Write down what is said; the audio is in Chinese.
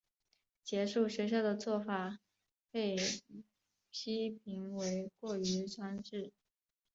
结束学校的做法被批评为过于专制。